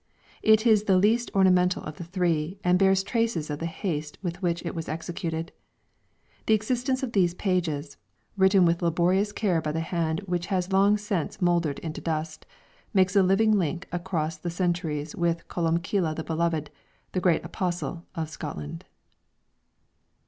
It is the least ornamental of the three, and bears traces of the haste with which it was executed. The existence of these pages, written with laborious care by the hand which has long since mouldered into dust, makes a living link across the centuries with Columbcille the Beloved, the great Apostle of Scotland.